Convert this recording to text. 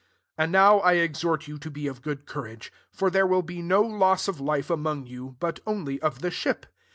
22 And now I exhort you to be of good courage : for there will be no loss of life among you, but only of the ship.